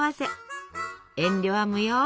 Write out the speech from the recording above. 遠慮は無用。